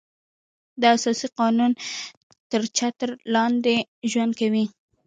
د اساسي قانون تر چتر لاندې ژوند کوي.